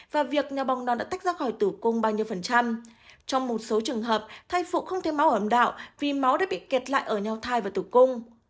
và việc nho bong non đã tách ra khỏi tử cung bao nhiêu phần trăm trong một số trường hợp thai phụ không thấy máu âm đạo vì máu đã bị kẹt lại ở nho thai và tử cung